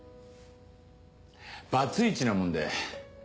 バツイチなもんで。